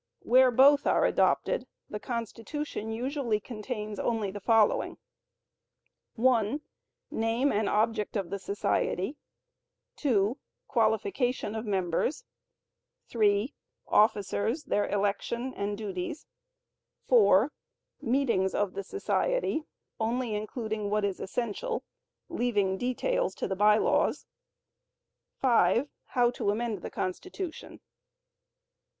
Where both are adopted, the constitution usually contains only the following: (1) Name and object of the society. (2) Qualification of members. (3) Officers, their election and duties. (4) Meetings of the society (only including what is essential, leaving details to the By Laws). (5) How to amend the Constitution.